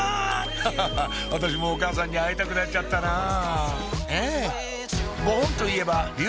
ハハハッ私もお母さんに会いたくなっちゃったなぁ